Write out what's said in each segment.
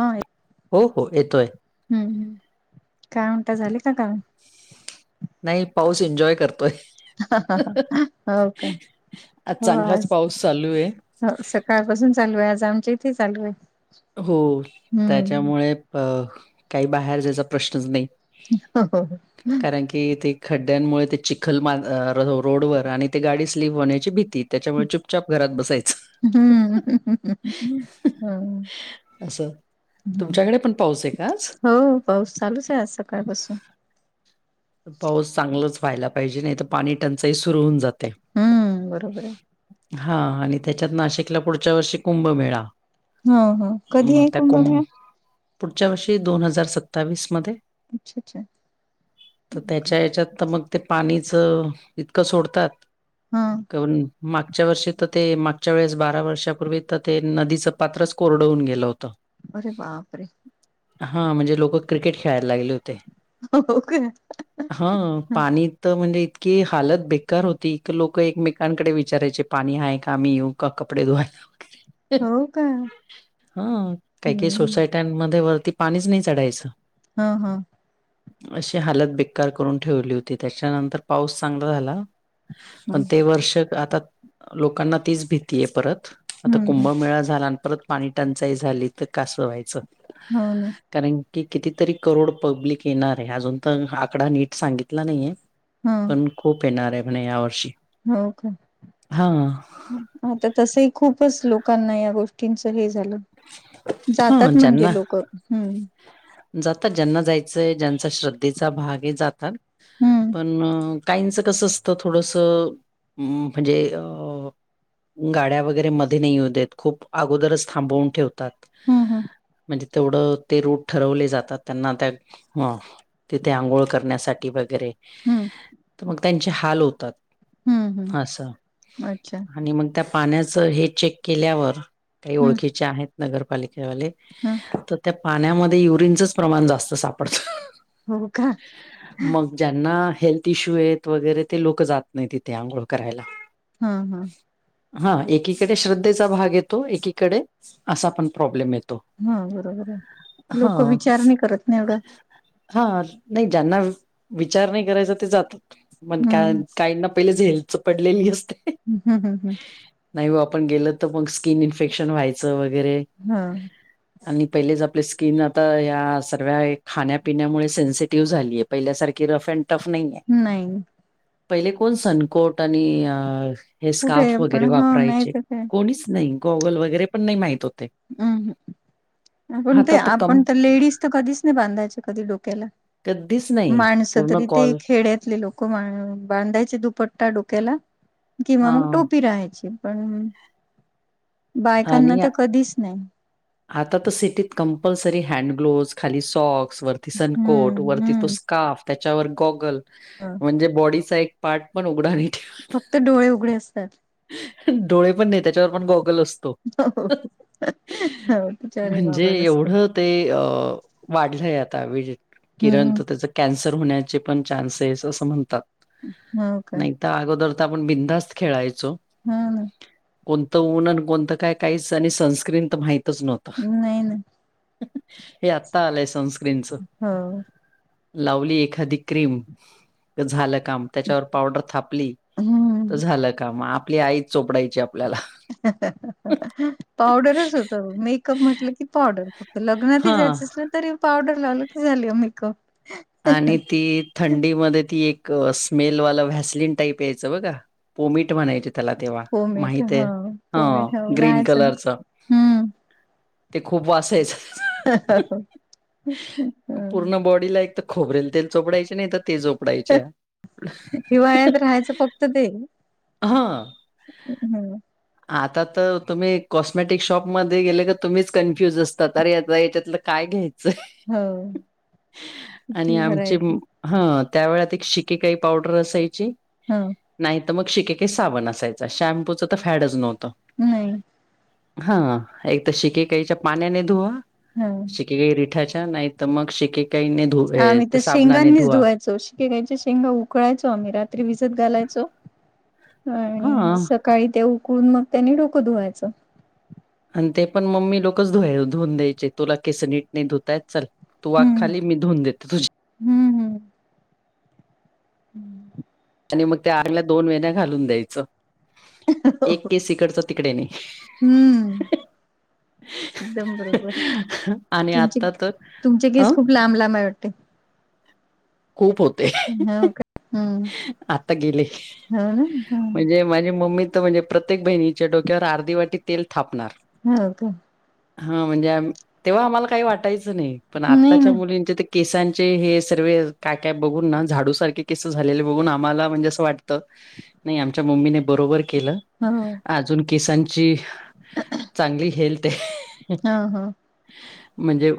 हा ये. हो हो येतोय. हम् हम्, काय म्हणता झाली का काम. नाही पाऊस इन्जॉय करतोय. हो का? आज चांगलाच पाऊस चालू आहे. हो सकाळपासून चालू आहे आज आमच्या इथेही चालू आहे. हो हम्म त्याच्यामुळे अ काही बाहेर जायचा प्रश्नच नाही. हो हो. कि ते खड्ड्यांमुळे ते चिखल मार रोड वर आणि ते गाडी स्लीप होण्याची भीती. त्याच्यामुळे चुपचाप घरात बसायच. हम्म ह-ह. असं. तुमच्याकडे पण पाऊस आहे का आज? हो पाऊस चालूच आहे आज सकाळपासून पाऊस चांगलाच व्हायला पाहिजे नाही तर पाणी टंचाई सुरू होऊन जाते. हम्म बरोबर आहे. हा आणि त्याच्यात नाशिकला पुढच्या वर्षी कुंभमेळा हो हो कधी मग आहे त्या कुं कुंभमेळा? पुढच्या वर्षी दोन हजार सत्तावीस मध्ये अच्छा अच्छा तर हो का? त्याच्या याच्यात तर मग ते पाणीचं इतकं सोडतात हा [unintelligible] मागच्या वर्षी तर ते मागच्या वेळेस बारा वर्षापूर्वी तर ते नदीचं पात्रच कोरड होऊन गेलं होतं अरे बापरे! त हा म्हणजे लोक क्रिकेट खेळायला लागले होते हो हो का हा पाणी तर म्हणजे इतकी हालत बेक्कार होती की लोक एकमेकांकडे विचारायचे. पाणी आहे का आम्ही येऊ का कपडे धूवायला वैगेरे हो का? हा काही काही हम्म. सोसायट्यांमध्ये वरती पाणीच नाही चढायचं. ह- ह- अशी हालत बेक्कार करून ठेवली होती त्याच्यानंतर पाऊस चांगला झाला हा पण ते वर्ष आता लोकांना तीच भीती आहे परत आता हम्म हम्म कुंभमेळा झाला अन् परत पाणी टंचाई झाली तर कसं व्हायचं हो ना कारण की कितीतरी करोड पब्लिक येणार आहे अजून तर आकडा नीट सांगितला नाहीये. हम पण खूप येणार आहे म्हणे या वर्षी हो का हा आता तसही खूपच लोकांना या गोष्टी च हे झालं हा जातात ज्यांना म्हणजे लोक हम् जातात ज्यांना जायचंय ज्यांचा श्रद्धेचा भाग हे जातात हम्म पण. काहींचं कसं असतं थोडस म्हणजे अ गाड्या वगैरे मध्ये नाही येऊ देत खूप अगोदरच थांबवून ठेवत तात हम्म हम्म म्हणजे तेवढं ते रू ठरवले जातात त्यांना त्या तिथे आंघोळ करण्यासाठी वगैरे हम्म तर मग त्यांचे हाल होतात हम्म हम्म असं अच्छा आणि मग त्या पाण्याच हे चेक केल्यावर काही हम्म ओळखीचे आहेत नगर पालिकेवाले ह तर त्या पाण्यामध्ये युरिनचंच प्रमाण जास्त सापडतं हो का ह मग ज्यांना हेल्थ इश्यू आहेत वगैरे ते लोक जात नाही तिथे आंघोळ करायला [inaudible] हा -हा हा एकीकडे श्रद्धेचा भाग येतो एकीकडे असा पण प्रॉब्लेम येतो हा बरोबर आहे ह लोक विचार नाही करत ना एवढं हा नाही ज्यांना विचार नाही करायचा ते जातात [unintelligible] का हम्म काहीना पहिले [unintelligible] झेलचं पडलेली असते ह- हं -हं -हं नाही हो आपण गेल तर मग स्किन इन्फेक्शन व्हायचं वगैरे हा आणि पहिलेच आपले स्किन आता या सर्व्या खाण्यापिण्यामुळे सेन्सिटिव्ह झाली ये पहिल्यासारखी रफ अँड टफ [inaudible] नाहीये आहे नाही पहिले कोण सनकोट आणि अ हे कुठे स्कार्फ पण वगैरे हो नाही वापरायचे तर काय कोणीच नाही गॉगल वगैरे पण नाही माहित होते. हम् आपण ते आता कं आपण तर लेडीज तर कधीच नाही बांधायच कधी डोक्याला. कधीच नाही. माणसं पूर्ण तरी ते कॉल खेड्यातले लोक बांधायचे दुपट्टा डोक्याला किंवा मग हां. टोपी राहायची पण बायकांना तर आनिया कधीच नाही [inaudible] आता तर सिटीत कंपल्सरी हॅन्ड ग्लोज खाली सॉक्स वरती सनकोट हम्म वरती तो स्काफ त्यांच्यावर गॉगल ह [unintelligible] म्हणजे बॉडीचा एक पार्ट पण उघडा नाही ठेवत. ते डोळे उघडे असतात [inaudible] डोळे पण नाही त्यांच्यावर पण गॉगल असतो. हो हो [inaudible] तिच्यावर एक म्हणजे मोबाईल असतो. एवढं ते वाढलंय आता विज [inaudible] किरण हम्म तर त्याचं कॅन्सर होण्याचे पण चान्सेस असं म्हणतात हा काय त्या अगोदर तर आपण बिंदास्त खेळायचो हा कोणतं ऊन आणि कोणतं काय काहीच आणि सनस्क्रीम तर माहितच नव्हतं नाही ना [inaudible] हे आता आलंय सनस्क्रीमच हो लावली एखादी क्रीम तर झालं काम त्यांच्यावर पावडर थापली तर हम्म झालं काम आपली आई चोपडायची आपल्याला [inaudible] पावडरच होत मेकअप म्हटलं की पावडर लग्नातही हां. जायचं असलं तरी पावडर लावलं की, झाली मेकअप आणि ती थंडीमध्ये ती एक स्मेलवाला व्हॅसलिन टाईप यायचं बघा पोमीट म्हणायचं त्याला तेव्हा पोमीट माहित आहे हा ह पोमीट हो ग्रीन राहायचं कलरच हम्म ते खूप वास यायचा [inaudible] [inaudible] हम् तिला एक तर खोबरेल तेल चोपडायची नाही तर ती [unintelligible] झोपडाचे हिवाळ्यात राहायचं फक्त ते हा [inaudible] आता तर तुम्ही कॉस्मॅटिक शॉपमध्ये गेले तर तुम्हीच कन्फ्युज असतात अरे आता याच्यातलं काय घ्यायचं हो [inaudible] आणि किती आमचे व्हरायटी हा त्या वेळात एक शिककाई पावडर असायची हा नाहीत मग शिकेकाई सावण असायचा शॅम्पूच तर फॅडच नव्हतं नाही हा एक तर शिकेकाईच्या पाण्याने धुवा हा शिकेकाई रिठाच्या नाही तर मग शिकेकाई आम्ही तर शेंगांनीच धुवायचो शेंगांच्या शेंगा उकळायचो आम्ही रात्री भिजत घालायचो हा. आणि काही ते उकळून मग त्यानी डोकं धुवायचं आणि ते पण मम्मी लोकच धु धुवून द्यायचे तुला केसनीट नाही धुतायत चल तू वाक हम्म खाली मी धुवुन देते तुझी हम्म हम्म हम् आणि मग त्या आडव्या दोन वेन्या घालून द्यायचं एक केस इकडचं तिकडे नाही हम्म एकदम बरोबर आणि तुमचे आता तर तुमचे अ केस खूप लांब लांब आहे वाटत ते खूप होते आता गेले हो ना म्हणजे माझे मम्मी तर म्हणजे प्रत्येक बहिणीच्या डोक्यावर अर्धी वाटी तेल थापणार हो का हा म्हणजे, आमी तेव्हा आम्हाला काही वाटायचं नाही, पण नाही आताच्या ना मुलींचे ते केसांचे हे सर्वे काय काय बघून ना, झाडूसारखे केसं झालेले बघून आम्हाला म्हणजे असं वाटतं नाही आमच्या मम्मीने बरोबर केलं. हो अजून केसांची, चांगली हेल्थ आहे. हो हो म्हणजे,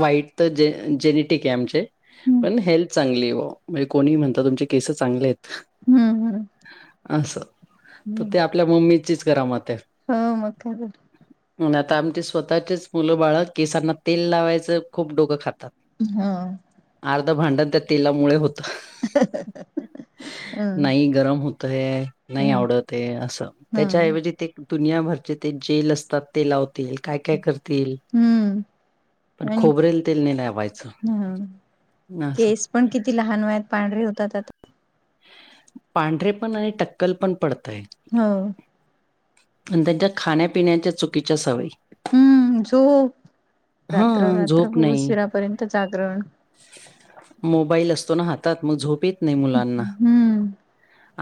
वाईट तर जे जेनेटिक आहे आमचे. हम्म पण हेल्थ चांगली ब वा, म्हणजे कोणीही म्हणतं तुमचे केसं चांगले आहेत. हम्म हम्म असं तर ते आपल्या मम्मीचीच करामत आहे. हो मग काय तर. मग आता आमचे स्वतःचेच मुलं बाळं केसांना तेल लावायचं, खूप डोकं खातात. हा अर्ध भांडण त्या तेलामुळे होतं, हम्म नाही गरम होत तय नाही हम्म आवडतय, असं हम्म त्याच्याऐवजी ते दुनियाभरचे ते जेल असतात ते लावतील. काय काय करतील, हम्म पण खोबरेल तेल नाही लावायचं. हा, असं. केस पण किती लहान वयात पांढरे होतात आता. पांढरे पण आणि टक्कल पण पडतंय. हो आणि त्यांच्या खाण्यापिण्याच्या चुकीच्या सवयी. हम्म झोप, हा रात्र झोप रात्रभर नाही उशिरापर्यंत जागरण. मोबाईल असतो ना हातात, मग झोप येत नाही मुलांना. हम्म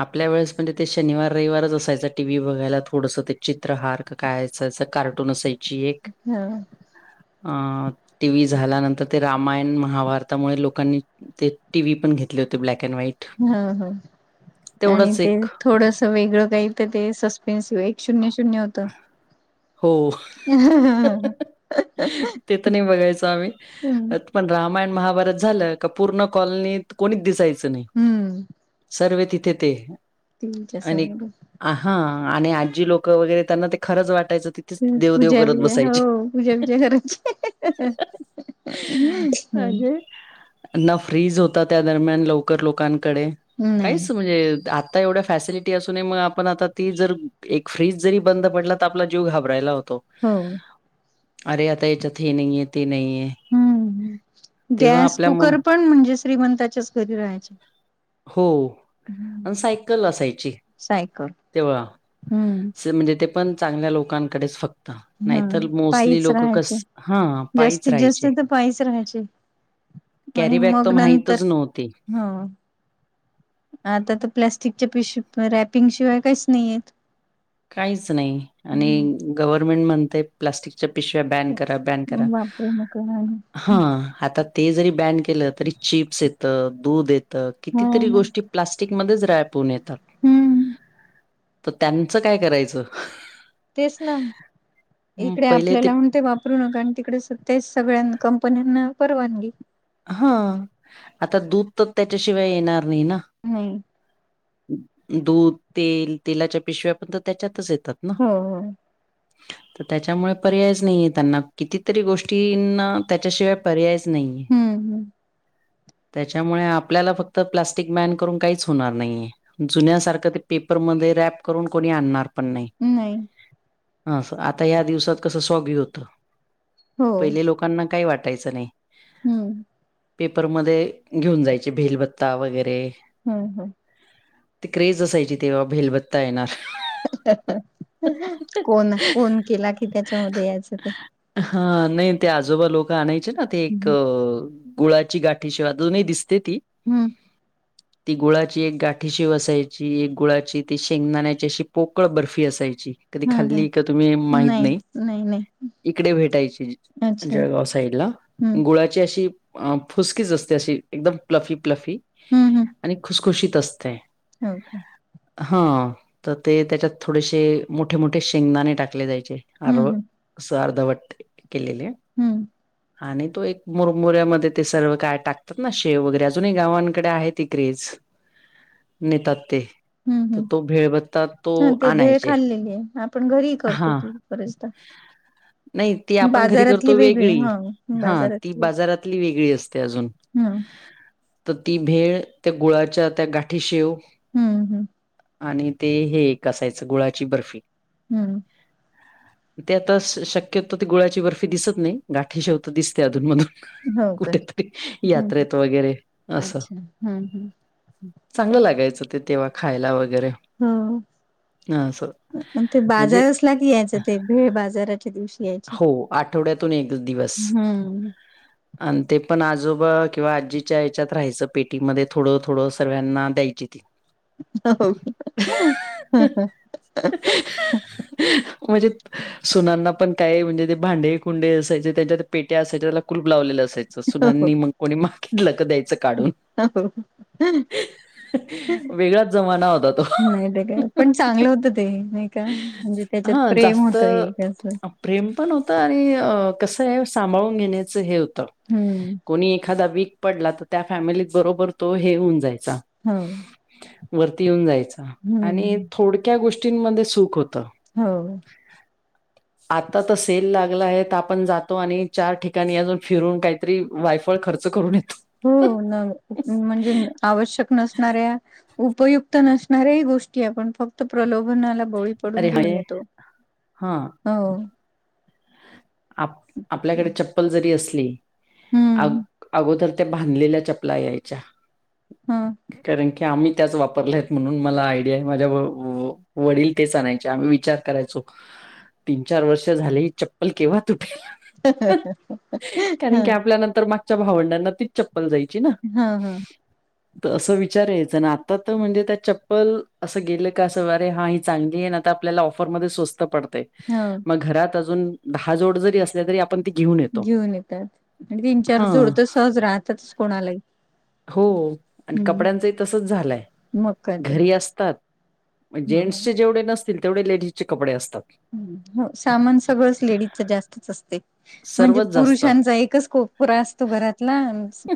आपल्या वेळेस म्हणजे ते शनिवार रविवारच असायचा टी व्ही बघायला, थोडसं ते चित्रहार का काय असायचं कार्टून अस ची एक, हो अ टी व्ही झाल्यानंतर ते रामायण, महा भारतामुळे लोकांनी ते टीव्ही पण घेतले होते ब्लॅक अँड व्हाईट. ह ह, आणि तेवढंच ते एक थोडसं वेगळं काही तर ते सस् पेन्स एक शून्य शून्य होतं. हो, ते तर नाही बघायचो आम्ही. हम्म पण रामायण महाभारत झालं, का पूर्ण कॉलनीत कोणीच दिसायच च नाय, हम्म सर्वे तिथे ते. तुमच्यासमोरून आ हा आणि आजी लोकं वगैरे त्यांना ते खरंच वाटायचं ति पूजा बिजा, हो पूजा बिजा करायची हम्म न फ्रीज होता त्या दरम्यान लवकर लोकांकडे, नाही काहीच म्हणजे आ ता एवढ्या फॅसिलिटी असूनही मग आपण आता ती जर, एक फ्रीज जरी बंद पडला तर आ पला जीव घाबरायला होतो. हो अरे आता याच्यात हे नाहीय ते नाहीए. हम्म. गॅस, म कुकर पण म्हणजे श्रीमंताच्याच घरी राहायचे. हो अन सायकल असायची, सायकल तेव्हा हम्म स म्हणजे ते पण चांगल्या लोकांकडेच फक् हा नाहीतर मोस्टली पायीच लोकं कस राहायचे हा पायीच जास्तीत जास्त राहायचे. तर पायीच राहायचे कॅरीबॅग त माहितच नव्हती. हा. आता तर प्लॅस्टिकच्या पिश रॅपिंग शिवाय काहीच नाहीएत. काहीच नाही आणि गव्हर्नमेंट म्हणते प्लास्टिक च्या पिशिव्या बॅन करा बॅन करा. वापरू नका हा, आणि आता ते जरी बॅन केलं तरी चिप्स येतं, दूध येत. हो कितीतरी ना गोष्टी प्लास्टिकमध्येच रॅप होऊन येतात हम्म तर त्यां त्यांचं काय करायचं. तेच ना मग इकडे पहिले आपल्याला ते वापर रु नका आणि तिकडे ते सगळ्यां कंपन्यांना परवानगी. हा आता दूध तर त्याच्याशिवाय येणार नाही ना. नाही दूध, तेल तेलाच्या पिशव्या पण तर त्याच्यातच येतात. ना. हो हो. तर त्याच्यामुळे पर्यायच नाहीय त्यांना कितीतरी गोष्टींना त्याच्याशिवाय पर्याय नाही आहे हम्म हम्म त्याच्यामुळे आपल्याला फक्त प्लास्टिक बॅन करून काहीच होणार नाहीये. जुन्यासारखं ते पेपरमध्ये रॅप करून कोणी आणणार पण नाही. नाही ह आता या दिवसात कस स्वागी होत. हो पहिले लोक लोकांना काही वाटायचं नाही. हम्म पेपरमध्ये घेऊन जायचे भेलभत्ता वगैरे. हम्म हम्. ती क्रेज असायची तेव्हा भेलबत्ता येणार. कोण कोण केला कि त्याच्यामध्ये यायचं ते. हा नाही ते आजोबा लोक आणायचे ना ते एक हम्म गुळाची गाठ ठीशी अजूनही दिसते ती. हम्म. ती गुळाची एक गाठी शेव असायची एक गुळाची ती शेंगदाण्याची अशी पोकळ बर्फी असायची. कधी हम्म खाल्ली का तुम्ही माहीत नाही. इकडे भेटायची अच्छा. जळगाव साईड ला हं, गुळा म्हणजे अशी फुसकीच असते अशी एकदम प्लफी प्लफी हं, हं. आणि खुस खुशीत असते. हो का. हा तर ते त्याच्यात थोडेसे मोठे मोठे शेंगदाणे टाकले जायचे. हं, अर्व हं, स अर्धवट केलेले. हं, आणि तो एक मुरमुऱ्यामध्ये ते सर्व काय टाकतात ना शेव वगैरे अजूनही गावांकडे आहे ती क्रेज. नेतात ते. हं, तर हं. तो भेळभत्ता तो हं, ते भेळ आणायचे खाल्लेली आहे. आपण घरीही हा. करतो ती बरेचदा. नाही ती आपण घरी बाजारातली करतो वेगळी हं, हा ती बाजारातली वेगळी असते अजून. हम्म तर ती भेळ त्या गुळाच्या त्या गाठी शेव हम्म हम्म आणि ते हे कायचं गुळाची बर्फी हम्म ते आता शक्यतो ते गुळा्याची बर्फी दिसत नाही गाठी शेवत दिसते अधून मधून हो का? कुठेतरी यात्रेत वगैरे असं हम्म हम्. चांगलं लागायचं ते तेव्हा खायला वगैरे हम. ह सर ते बाजार असला की यायचं ते भेळ बाजाराच्या दिवशी याय हो आठवड्यातून एक दिवस हं. आणि ते पण आजोबा किंवा आजीच्या याच्यात राहायचं पेटीमध्ये थोडं थोडं सगळयांना द्यायची ती [unintelligible] [unintelligible] म्हणजे सुनांना पण काय म्हणजे ते भांडे कुंडे असायचे त्याज्यात पेट्या असायच्या त्याला कुलुप लावलेलं असायचं हो. सुनांनी मग कोणी मागितलं क द्यायचं काढून [unintelligible] वेगळाच जमाना होता तो नाय त काय पण चांगलं होतं ते नाय का म्हणजे त्याच्यात हा प्रेम जास्त होतं एक असं प्रेम पण होतं आणि कसंय सांभाळून घेण्याचं हे होतं. हूं कोणी एखादा वीक पडला तर त्या फॅमिलीत बरोबर तो हे होऊन जायचा. हा वरती येऊन जायचा आणि हम्म थोडक्या गोष्टींमध्ये सुख होतं. हो. [inaudible] आता त सेल लागला त आपण जातो आणि चार ठिकाणी अजून फिरून काय तरी वायफळ खर्च करून येतो. हो न म्हणजे आवश्यक नसणाऱ्या उपयुक्त नसणाऱ्याही गोष्टी आपण फक्त प्रलोभनाला बळी पडून अरे घेऊन हाय येतो हा हो. आप आपल्याकडे चप्पल जरी असली अग हम्म अगोदर त्या बांधलेल्या चपला यायच्या ह कारण की आम्ही त्याच वापरल्यात म्हणून मला आयडिया माझ्या व वो वडील तेचं आणायचे आम्ही विचार करायचो तीन चार वर्ष झाली ही चप्पल केव्हा तुटेल. हा त्यानंतर मागच्या भावंडांना तीचं चप्पल जायची ना ह असं विचार यांयचा आणि आता त म्हणजे त्या चप्पल असं गेलं का असं अरे हा ही चांगलीये ना त आपल्याला ऑफर मध्ये स्वस्त पडते. हो. मग घरात अजून दहा जोड जरी असले तरी आपण ती येतो. घेऊन येतात आणि तीन चार जोड हां, तर सहज राहतातच कोणालाही हो आणि हम्म कपड्यांचही तसच झालंय मग काय तर घरी असतात. म जेंड्स हो चे जेवढे नसतील तेवढे लेडीजचे कपडे असतात. हो सामान सगळंच लेडीजच जास्तच असतय म्हणजे सर्वच जास्त. पुरुषांचा एकच कोप परा असतो घरातला अनं